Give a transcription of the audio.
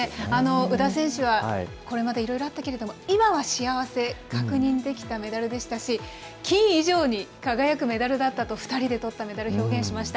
宇田選手は、これまでいろいろあったけれども、今は幸せ、確認できたメダルでしたし、金以上に輝くメダルだったと、２人でとったメダル、表現しました。